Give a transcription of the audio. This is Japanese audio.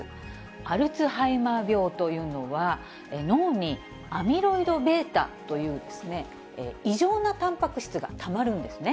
アルツハイマー病というのは、脳にアミロイドβという、異常なたんぱく質がたまるんですね。